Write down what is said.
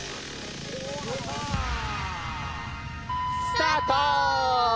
スタート。